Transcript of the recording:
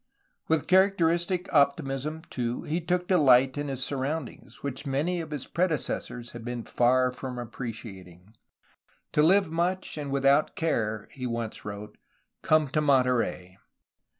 '^ With charac teristic optimism, too, he took delight in his surroundings, which many of his predecessors had been far from appre ciating. ''To live much, and without care,'' he once wrote, *'come to Monterey.''